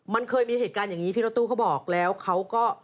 มันเคยมีเหตุการณ์อย่างนี้พี่รถตู้เขาบอกแล้วเขาก็